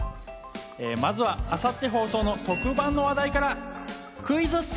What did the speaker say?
まずは明後日放送の特番の話題からクイズッス！